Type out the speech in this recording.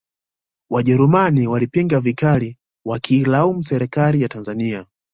wajerumani walipinga vikali wakiilamu serikali ya tanzania